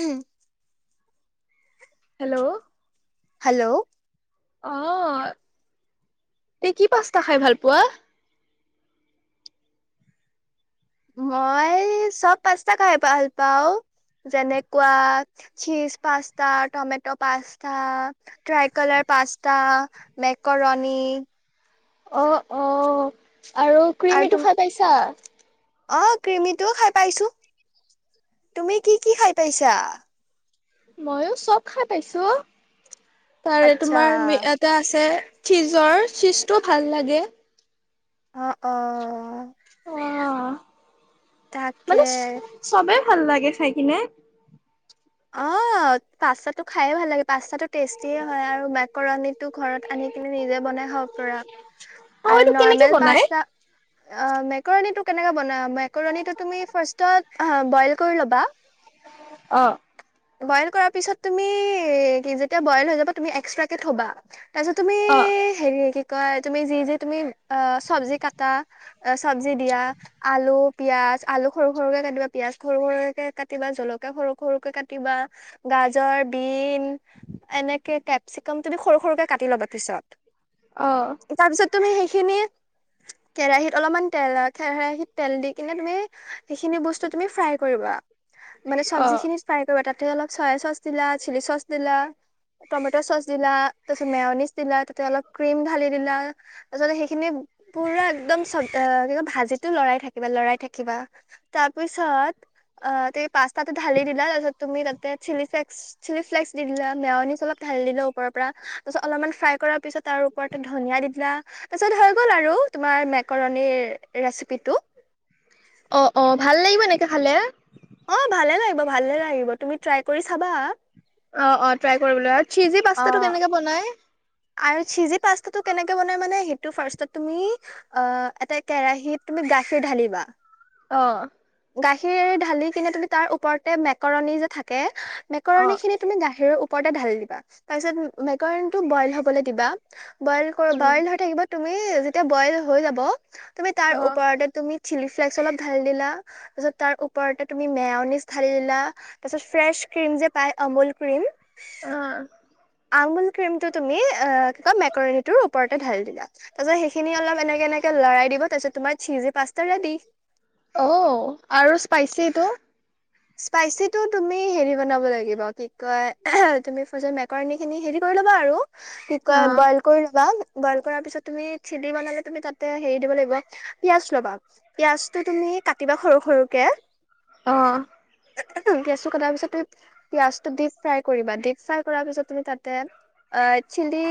উ'ম। Hello hello অ', এই কি পাস্তা খাই ভাল পোৱা। মই চব পাস্তা খাই ভাল পাওঁ যেনেকুৱা cheese pasta, tomato pasta, tricolour pasta, macaroni অ', অ', আৰু ক্ৰিমিটো খাই পাইছা। অ ক্ৰমিটোও খাই পাইছো, তুমি কি কি খাই পাইছা? ময়ো চব খাই পাইছো। তাৰে আচ্ছা তোমাৰ ম এটা আছে। চীজৰ চীজটো ভাল লাগে। অ', অ', অঁ তাকে মানে চবে। ভাল লাগে চাই কিনে। অ পাস্তাটো খাইে ভাল লাগে, পাস্তাটো টেষ্টিয়ে হয়, মেকৰণীতো ঘৰত আনি নিজেই বনাই খাব পাৰা অঁ আৰু এইটো কেনেকে নৰ্মেল বনাই? পাস্তা মেকৰণীতো কেনেকে বনাই মেকৰণীটো তুমি ফাষ্টট বইল কৰি ল'বা। অ', বইল কৰাৰ পিছত তুমি কি যেতিয়া বইল হৈ যাব তুমি এক্সট্ৰাকে থবা। তাৰপিছত তুমি অঁ হেৰি এই কি? কয় তুমি যি যি তুমি অ চবজি কাটা অ চব্জি দিয়া আলু পিয়াজ আলু সৰু সৰুকে কাটিবা পিয়াজ সৰু সৰুকে কাটিবা জলকীয়া সৰু সৰুকে কাটি। বা গাজৰ বিন এনেকে কেপচিকম তুমি সৰু সৰুকে কাটি ল'বা পিছত। অহ তাৰপিছত তুমি সেইখিনি কেৰাহিত অলপমান তেল কেৰাহিত তেল দি কিনে তুমি সেইখিনি বস্তু মানে চব্জিখিনি ফ্ৰাই কৰিবা তাতে অলপ চয়া চচ দিলা চিলি চচ দিলা টমেটৰ চ'চ দিলা তাৰ পিছত মেয়নিছ দিলা তাতে অলপ ক্ৰিম ঢালি দিলা তাৰপিছত সেইখিনি পুৰা একদম চব ভাজিটো লৰাই থাকিবা লৰাই থাকিবা তাৰ পিছত আহ পাষ্টাটো ধালি দিলা তুমি তাতে চিলি ফ্লেকস চিলি ফ্লেক্স দি দিলা মেওনিচ অলপ ঢালি দিলা ওপৰ পৰা তাৰ পিছত অলপমান ফ্ৰাই কৰাৰ পিছত তাৰ ওপৰতে ধনিয়া দি দিলা তাৰ পিছত হৈ গ'ল আৰু তোমাৰ মে কৰনিৰ ৰেচিপিটো অঁ অঁ ভাল লাগিব এনেকে খালে অ ভালে লাগিব ভালে লাগিব তুমি ট্ৰাই কৰি চাবা অ অ ট্ৰাই কৰিব লাগিব চিজি অ পাষ্টাটো কেনেকে বনাই আৰু চিজি পাষ্টাটো কেনেকে বনাই মানে সেইটো ফাৰ্ষ্টত তুমি এ এটা কেৰাহীত তুমি গাখীৰ ঢালিবা অ গাখীৰ ঢালি কিনে তুমি তাৰ ওপৰতে মেকৰণী যে থাকে অঁ মেকৰণী খিনি তুমি গাখিৰৰ ওপ ৰতে ঢালি দিবা তাৰপিছত মেকৰণীটো বয়েল হ'ব লে দিবা বয়েল কৰ উম বয়েল হৈ থাকিব তুমি যেতিয়া বয়েল হৈ যাব তুমি তাৰ অঁ ওপৰতে তুমি চিলি ফ্লেক্স অলপ ঢালি দিলা তাৰপিছত তাৰ ওপৰতে তুমি মেঅনিছ ঢালি দিলা তাৰপিছত ফ্ৰেছ ক্ৰীম যে পায় অমুল ক্ৰীম অ আমুল ক্ৰীমটো তুমি এ কি কয় মেকৰণীটোৰ ওপৰতে ঢালি দিলা তাৰপিছত সেইখিনি অলপ এনেকে এনেকে লৰাই দিব তাৰপিছত তোমাৰ চিজি পাষ্টা ৰেডি অ আৰু স্পাইচিটো স্পাইচীটো তুমি হেৰি বনাব লাগিব কি কয় এহেহ তুমি ফাৰ্ষ্টে মেকৰণীখিনি হেৰি কৰি ল'বা আৰু কি কয় অ', বয়েল কৰি লবা বয়েল কৰাৰ পিছত তুমি চিলি বনালে তুমি তাতে হেৰি দিব লাগিব পিয়াজ ল'বা পিয়াজটো তুমি কাটিবা সৰু সৰুকে অ পিয়াঁজটো কটাৰ পিছত তুমি পিয়াঁজটো ডিপ ফ্ৰাই কৰিবা ডিপ ফ্ৰাই কৰাৰ পিছত তুমি তাতে অ চিলি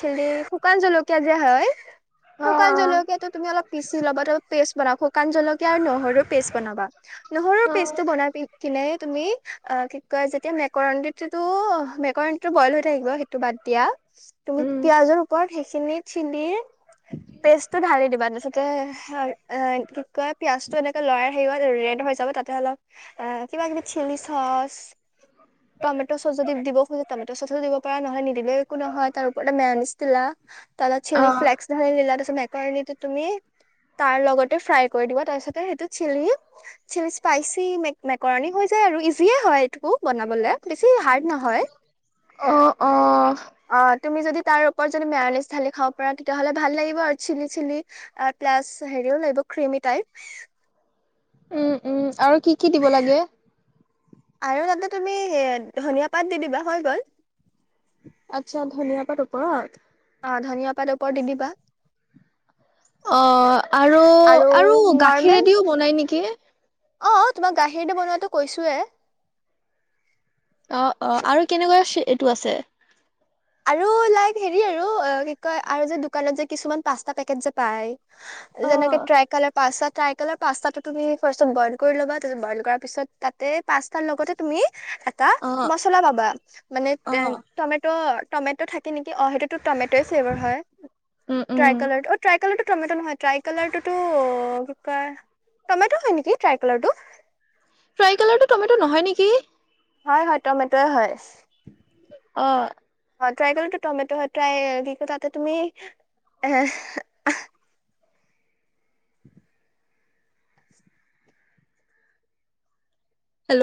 চিলি শুকান জলকীয়া যে হয় শুকান অ', জলকীয়াটো তুমি অলপ পিচি ল'বা তাৰপিছত পেষ্ট বনাব শুকান জলকীয়া আৰু নহৰু পেষ্ট বনাবা নহৰুৰ অ', পেষ্ট কিনে তুমি অ কি কয় যেতিয়া মেকৰণী তিটো মেকৰণীটো বয়েল হৈ থাকিব সেইটো বাদ দিয়া তুমি উম, পিয়াঁজৰ ওপৰত সেই খিনি চিলিৰ পেষ্টটো ঢালি দিবা তাপিছত তাতে হয় এ কি কয় পিয়াঁজটো এনেকে লৰাই থাকিবা ৰেড হৈ যাব তাতে অলপ অ কিবা কিবি চিলি চচ, টমেট' চ'চ যদি দিব খোজা টমেট' চ'চো দিব পাৰ নহয় নিদিলে একো নহয়, তাৰ ওপৰতে মেনছ দিলা, তাৰপছত চিলি আহ ফ্লেকস ঢালি দিলা তাৰপিছত। মেকৰনিটো তুমি তাৰ লগতে ফ্ৰাই কৰি দিব তাৰপিছতে সেইটো চিলি চিলিছপাই মে মেকৰণী হৈ যায় আৰু ইজিয়ে হয় এইটো। বনাবলে বেছি হাৰ্ড নহয়। অ', অ', অ তুমি যদি তাৰ ওপৰত যদি মেৰানিজ ঢালি খাব পাৰা তেতিয়াহ'লে ভাল লাগিব আৰু চিলি চিলি প্লাছ হেৰিও লাগিব ক্ৰিমি টাইপ। উম উম আৰু কি কি দিব লাগে। আৰু তাতে তুমি ধনিয়া পাত দি দিবা হৈ গল। আচ্ছা ধনিয়াপাত ওপৰত অ ধনিয়া পাত ওপৰত দি দিবা। অ আৰু আৰু নৰ্মেল গাখীৰেদিও বনাই নেকি? অ তোমাক গাখীৰটো বনোৱাটো কৈছোয়ে। অ অ আৰু কেনেকুৱা এইটো আছে। আৰু লাইক হেৰি আৰু কি কয় আৰু যে দোকানত যে কিছুমান পচ্তা পেকেট যে পায়। যেনেকে অ' টাইকালাৰ পাস্তা। টাইকলৰ পাস্তাটো তুমি ফাৰ্ষ্টত বইল কৰি ল'বা বইল কৰাৰ পিছত তাতে পচ্তাৰ লগতে তুমি এটা অ' মচলা পাবা মানে অ' টমেটৰ টমেট' থাকে নেকি অ সেইটোতো টমেট'য়ে ফ্লেভাৰ হয়। উম, উম। ট্ৰাই কালাৰ অ ট্ৰাই কালাৰটো। টমেট নহয় ট্ৰাই কালাৰ টো ো কি কয় টমেট হয় নেকি ট্ৰাই কালাৰটো। ফ্ৰাই কালাৰটো টমেটো নহয় নেকি? হয় হয় টমেটয়ে হয়। অ। অ ট্ৰাই কালাৰটো টমেট ট্ৰাই কি কৰ তাতে তুমি এ।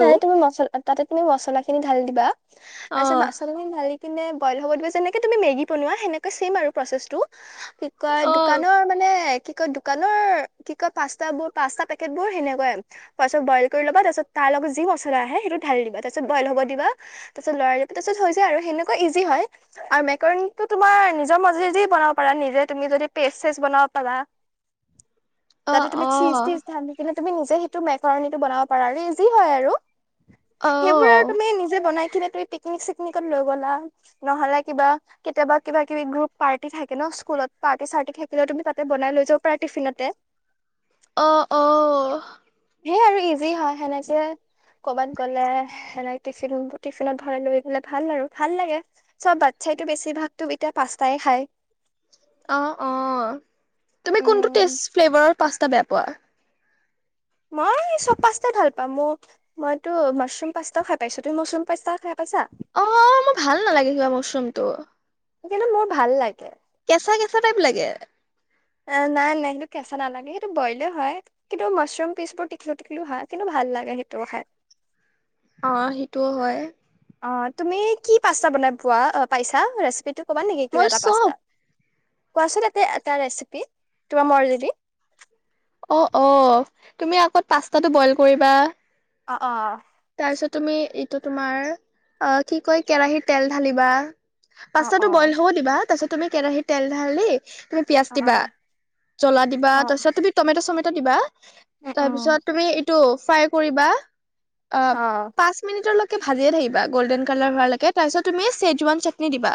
তাৰে তুমি মছলা তাতে তুমি মছলা খিনি ঢালি দিবা। অ', তাৰপিছত কিনে বইল হ'বলৈ যেনেকে তুমি মেগী বনোৱা সেনেকে চছে আৰু প্ৰচেছটো কি কয় অ', অ', দোকানৰ মানে কি কয় দোকানৰ কি কয় পাস্ত বোৰ পাস্তা পেকেট বোৰ সেনেকুৱাই ফাছতত বইল কৰি ল'বা তাৰ পাছত তাৰ লগত যি মছলা আহে সেইটো ঢালি দিবা তাৰপিছত বইল হব দিবা তাৰপিছত লৰাই দিবা তাৰপিছত হয় যায় আৰু সেনেকুৱা ইজি হয় আৰু মেকৰনটো তুমাৰ নিজৰ মাৰ্জি যি বনাব পাৰা নিজে তুমি যদি পেচ চেচ বনাব পাৰা। তাতে অ', তুমি চিচ থিচ ঢালিকিনে। তুমি নিজে সেইটো মেখৰণীটো বনাব পাৰা আৰু এই যি হয় আৰু অ', সেইবোৰ আৰু তুমি নিজে বনাই কিনে তুমি পিকনিক চিকনিকত লৈ গলা নহলে কিবা কেতিয়াবা কিবা কিবি গ্ৰুপ পাৰ্তি থাকে ন স্কুলত পাৰ্তি চাৰ্তি থাকিলেও তুমি তাতে বনাই লৈ যাব পাৰা টিফিনতে। অ‌ অ সেই আৰু ইজি হয় সেনেকে যে কবাত গ'লে এনে টিফিন টিফিনত ভৰাই লৈ দিলে ভাল আৰু ভাল লাগে চব বাচ্ছাইটো বেছিভাগতো এতিয়া পাস্তাই খাই। অ অ তুমি কোনটো উম টেষ্ট ফ্লেভাৰত পাঁচটা বেপৱাৰ মই চব পাস্তাই ভাল পাম মোৰ মইতো মাছৰুম পাস্তা খাই পাইছো। তুমি মাছৰুম পাস্তা খাই পাইছা? অ মোৰ ভাল নালাগে কিবা মচৰুমটো। কিন্তু মোৰ ভাল লাগে কেঁচা কেঁচা টাইপ লাগে নাই নাই সেইটো কেঁচা নালাগে সেইটো বইলে হয় কিন্তু মাছৰুম পিচবোৰ টিখলো টিখলো হয় কিন্তু ভাল লাগে সেইটোও খাই। [unintelligible] অ সেইটোও হয় অ তুমি কি পাস্তা বনাই পোৱা পাইছা ৰেচিপিটোত [unintelligible] কবা নেকি মই কিবা এটা চব পাস্তা কোৱাচোন তাতে এটা ৰেচিপি তোমাৰ মৰ্জি দি অ অ তুমি আকৌ পাস্তাটো বইল কৰিবা অ অ তাৰপিছত তুমি এইটো তোমাৰ অ কি কয় কেৰাহীৰ তেল ঢালিবা অ অ পাস্তাটো বইল হ'ব দিবা তাৰ পিছ তুমি কেৰাহী তেল ঢালিলি তুমি পিয়াজ অ দিবা অ জ্বলা দিবা অ তাৰপিছত তুমি টমেটা চমেটা দিবা উম তাৰ উম পিছত তুমি এইটো ফ্ৰাই কৰিবা অ পাঁচ মিনিটৰ লৈক ভাজিয়ে থাকিবা গ'ল্ডেন কালাৰ হোৱা লৈকে তাৰপিছত তুমি চেজৱান চাটনি দিবা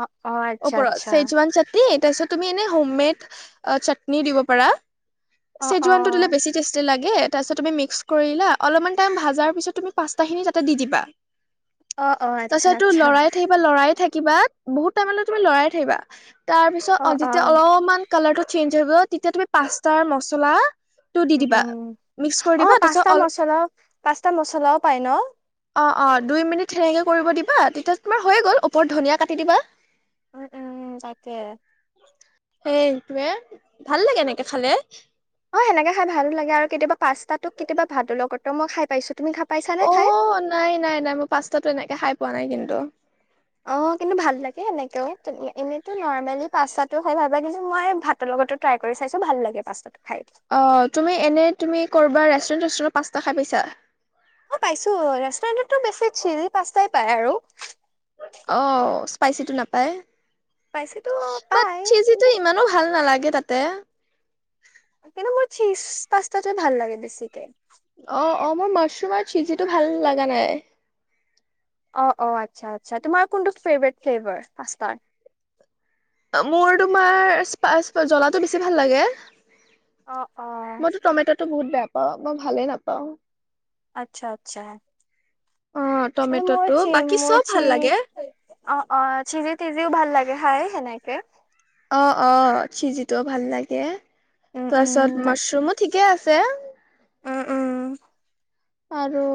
অ অ আচ্ছা ওপৰ আচ্ছা চেজুৱান চাটনি তাৰপিছত তুমি এনে হোম মেড চাটনি দিব পাৰা অ অ চেজুৱান টো দিলে বেছি টেষ্টি লাগে তাৰপিছত তুমি মিক্স কৰিলা অলপমান টাইম ভাজাৰ পিছত তুমি পাচতাখিনি তাতে দি দিবা অ অ তাৰ আচ্ছা পিছত তোৰ আচ্ছা লৰায়ে থাকিবা লৰায়ে থা কিবা বহুত টাইমলৈ তুমি লৰাই থাকিবা তাৰপিছত অ যেতিয়া অলপমান কালাৰটো চেঞ্জ হৈব তেতিয়া তুমি পাস্তাৰ মচলা [unintelligible] টো দি উম দিবা উম মিক্স কৰি অ দিবা তাৰপাছত পাস্তা অলপ মচলা পাস্তা মচলাও পায় ন [unintelligible] অ অ দুই মিনিট সে- নেকে কৰিব দিবা তেতিয়া তোমাৰ হৈয়ে গ'ল ওপৰত ধনীয়া কাটি দিবা। উম উম তাকে সেটোৱে ভাল লাগে এনেকে খালে। অ সেনেকে খাই ভাল লাগে আৰু কেতিয়াবা পাচতাতোক কেতিয়াবা ভাত লগতো মই খাই পাইছো। তুমি খাই পাইছানে অ খাই নাই নাই নাই মই পাস্তাটো এনেকে খাই পোৱা নাই কিন্তু। অ কিন্তু ভাল লাগে এেনেকেও এনেইো নৰ্মেলি পাস্তাটো হয় ভাবো কিন্তু মই ভাতৰ লগতো ট্ৰাই কৰি চাইছো ভাল লাগে পাস্। [unintelligible] অঁ, তুমি এনে তুমি কৰবা ৰেষ্টুৰেন্ট ষ্টুট। পাচটা খাই পাইচা? অঁ, পাইছো ৰেষ্টুৰেণ্টত বেছি সিজি পস্তাইপাই আৰু। অঁ, স্পাইচিটো নাপায়। পাইছেতো বাত পাই চিজিটো কিন্তু ইমানো ভাল নালাগে তাতে। কিন্তু মোৰ চিজ পাস্তাটোৱে ভাল লাগে বেছিকে। অঁ অঁ, মোৰ মাছৰুমৰ চিজিটো ভাল লাগা নাই। অঁ -অঁ, আচ্ছা -আচ্ছা তোমাৰ কোনটো ফেভট ফ্লেবাৰ পাস্তাৰ? মোৰ তোমাৰ স্পাচ জলাটো বেছি ভাল লাগে। অ অ মইতো টমেটত। ত বহুত বেয়া পাওঁ মই ভালে নাপাওঁ। আচ্ছা -আচ্ছা। অঁ, মোৰ টমেটটো বাকী চব ভাল লাগে। অঁ -অঁ, চিজি- তিজিও ভাল লাগে খাই সেনেকে। অঁ - অঁ, চিজিত ভাল লাগে। উম উম তাছত তাকে মাছৰুমো ঠিকে আছে। তে। উম -উম। আৰু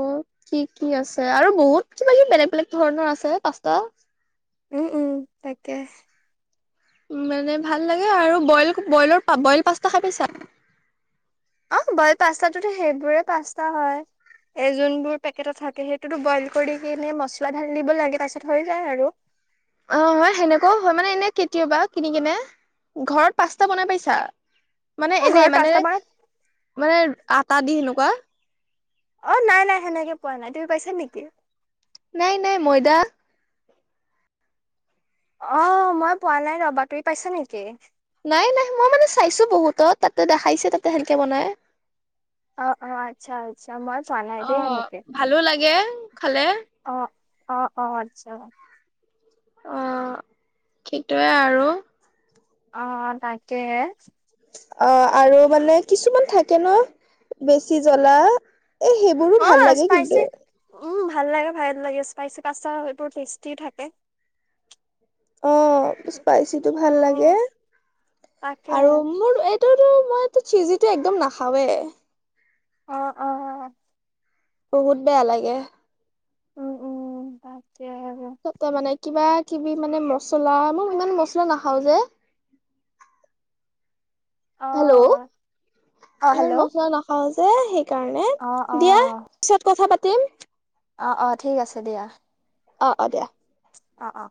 কি কি আছে আৰু বহুত কিবা -কিবি বেলেগ বেলেগ ধৰণৰ আছে পাস্তা। উম উম তাকে। মানে ভাল লাগে আৰু বইল বইলৰ বইল পাস্তা খাই পাইছা। অঁ, বইল পাস্তা সেইবোৰে পাস্তা হয় এ যোনবোৰ পেকেটত থাকে সেইটোতো বইল কৰি কিনে মচলা ঢালি দিব লাগে পছত হৈ যায় আৰু। অঁ, হয় সেনেকুৱাও হয় মানে এনে কেতিয়াবা কিনি কিনে ঘৰত পাস্তা বনাই পাইছা? মানে অ এনে ঘৰত মানে পাস্তা বনাই মানে। আটা দি সেনেকুৱা। অঁ, নাই নাই সেনেকে পোৱা নাই তুমি পাইছা নেকি? নাই নাই ময়দা। অঁ, মই পোৱা নাই ৰবা তুমি পাইছা নেকি? নাই নাই মই মানে চাইছো বহুত তাতে দেখাইছে তাতে সেনেকে বনাই। অঁ অঁ, আচ্ছা আছা। অঁ, ভালো লাগে। খালে। অঁ -অঁ, আচ্ছা। অঁ, সেইটোৱে আৰু। অঁ, তাকে হে। অঁ, আৰু মানে কিছুমান থাকে ন বেছি জ্বলা। এ সেইবোৰো অ ভাল লাগে স্পাইচি কিন্তু। উম ভাল লাগে ভাল লাগে স্পাইচি পাছতা হয়তো টেষ্টিওঁ থাকে। অঁ। স্পাইছিটো ভাল লাগে উম তাকে আৰু মোৰ এই। কিন্তু মইতো চিজটো একদম নাখাওঁৱে। অ অ অ। বহুত বেয়া লাগে। উম উম তাক। এতিয়া মানে কিবা। কিবি মানে মচলা মই ইমান মচলা নাখাওঁ যে। অ হেল্লো অ ইমান হেল্ল' মচলা নাখাওঁ যে। এ হে। সেই কাৰণে অ অ দিয়া পিছত কথা পাতি। তেম। অ অ ঠিক আছে দিয়া। অ অ দিয়া। অ অ।